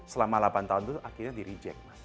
selama delapan tahun itu akhirnya di reject mas